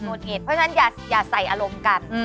หงิดเพราะฉะนั้นอย่าใส่อารมณ์กัน